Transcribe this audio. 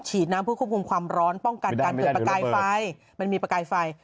หินน้ำเพื่อควบคุมความร้อนป้องกันกันเกิดปลากรายไฟ